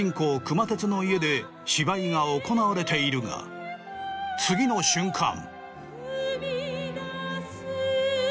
熊徹の家で芝居が行われているが次の瞬間。